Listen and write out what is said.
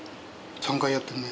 ３回やってるね。